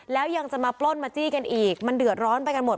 แล้วยังจะมาปล้นมาจี้กันอีกมันเดือดร้อนไปกันหมด